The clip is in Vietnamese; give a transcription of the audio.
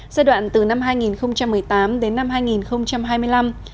giai đoạn từ năm hai nghìn một mươi tám đến năm hai nghìn hai mươi năm